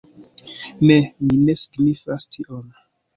Ne, mi ne signifas tion.